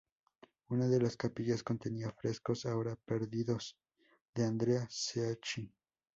Una de las capillas contenía frescos, ahora perdidos, de Andrea Sacchi.